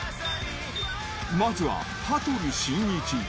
まずは、羽鳥慎一。